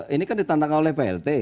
ini kan ditandakan oleh plt